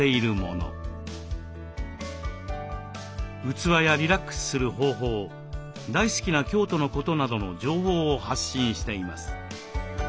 器やリラックスする方法大好きな京都のことなどの情報を発信しています。